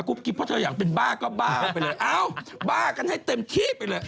ดรอเบ๊อ๋ไปเลยเอ้าบ่ากันให้เต็มที่ไปเลย